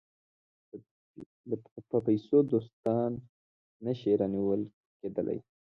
په پیسو دوستان نه شي رانیول کېدای.